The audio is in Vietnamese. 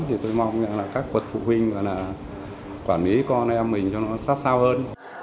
thì tôi mong là các bậc phụ huynh và là quản lý con em mình cho nó sát sao hơn